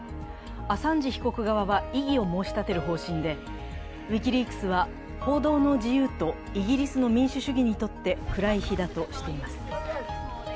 アサンジ被告側は異議を申し立てる方針で、ウィキリークスは報道の自由とイギリスの民主主義にとって暗い日だとしています。